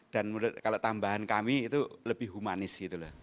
dan menurut tambahan kami itu lebih humanis